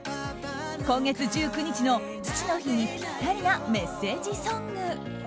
今月１９日の父の日にぴったりなメッセージソング。